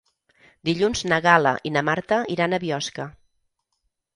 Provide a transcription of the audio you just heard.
Dilluns na Gal·la i na Marta iran a Biosca.